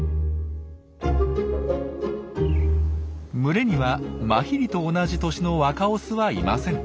群れにはマヒリと同じ年の若オスはいません。